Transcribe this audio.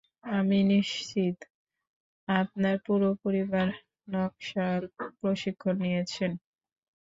আমি নিশ্চিত আপনার পুরো পরিবার নকশাল প্রশিক্ষণ নিয়েছেন।